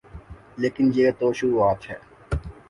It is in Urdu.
لیکن یہ تو شروعات ہے۔